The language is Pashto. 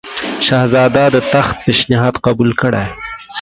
شهزاده د تخت پېشنهاد قبول کړي.